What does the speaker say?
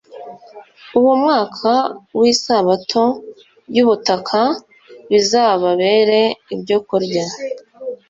uwo mwaka w isabato y ubutaka bizababere ibyokurya